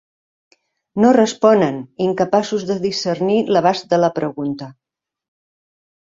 No responen, incapaços de discernir l'abast de la pregunta.